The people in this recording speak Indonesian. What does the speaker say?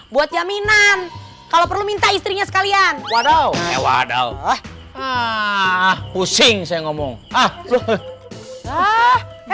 buat jaminan kalau perlu minta istrinya sekalian waduh eh waduh ah ah pusing saya ngomong ah ah